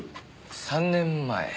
３年前。